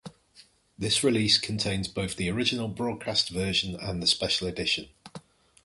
This release contains both the original broadcast version and the special edition.